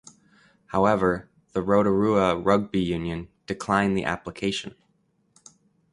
However the Rotorua Rugby Union declined the application.